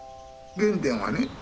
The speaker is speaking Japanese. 原点はね